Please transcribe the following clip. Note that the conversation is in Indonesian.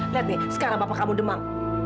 lihat nih sekarang bapak kamu demam